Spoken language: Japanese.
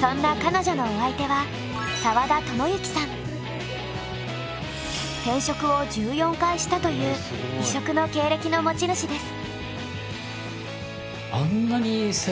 そんな彼女のお相手は転職を１４回したという異色の経歴の持ち主です。